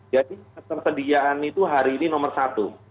jadi ketersediaan itu hari ini nomor satu